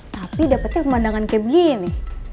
tapi dapet sih pemandangan kayak begini